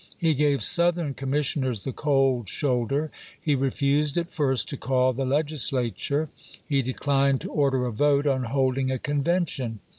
He gave Southern commissioners the cold shoulder. He refused at first to call the Legislature. He de clined to order a vote on holding a convention.